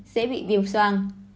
sẽ bị viêm soan